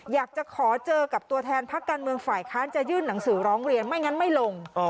อยากจะขอเจอกับตัวแทนพักการเมืองฝ่ายค้านจะยื่นหนังสือร้องเรียนไม่งั้นไม่ลง